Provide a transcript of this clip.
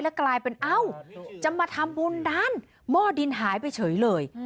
กลายเป็นเอ้าจะมาทำบุญด้านหม้อดินหายไปเฉยเลย